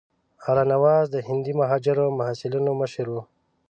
الله نواز د هندي مهاجرو محصلینو مشر وو.